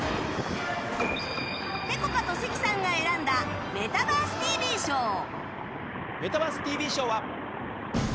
ぺこぱと関さんが選んだメタバース ＴＶ 賞は。